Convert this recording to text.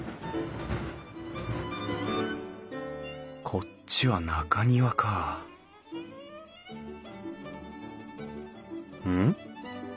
こっちは中庭かうん？